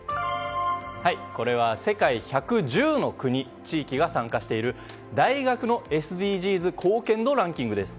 これは、世界１１０の国・地域が参加している大学のＳＤＧｓ貢献度ランキングです。